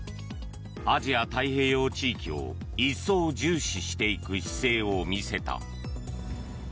アジア太平洋地域を一層重視していく姿勢を見せた。